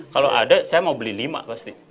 kalau ada saya mau beli lima pasti